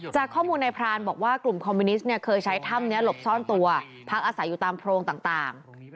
จากข้อมูลในพรานบอกว่ากลุ่มคอมมิวนิสต์เคยใช้ถ้ำนี้หลบซ่อนตัวพักอาศัยอยู่ตามโพรงต่าง